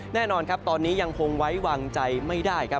แน่นอนครับตอนนี้ยังคงไว้วางใจไม่ได้ครับ